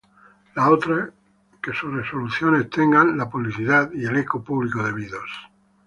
La otra que sus resoluciones tengan la publicidad y el eco público debidos.